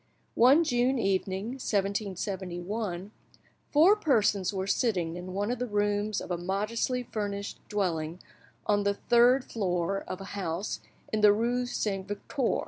One June evening, 1771, four persons were sitting in one of the rooms of a modestly furnished, dwelling on the third floor of a house in the rue Saint Victor.